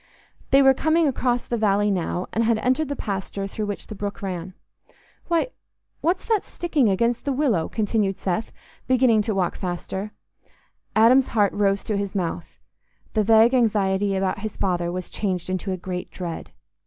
They were coming across the valley now, and had entered the pasture through which the brook ran. "Why, what's that sticking against the willow?" continued Seth, beginning to walk faster. Adam's heart rose to his mouth: the vague anxiety about his father was changed into a great dread.